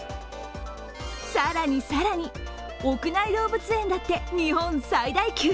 更に更に、屋内動物園だって日本最大級。